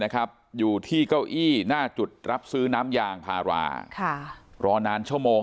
อยู่ที่เก้าอี้หน้าจุดรับซื้อน้ำยางพารารอนานชั่วโมง